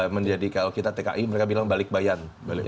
menjadi kalau kita tki mereka bilang balik bayan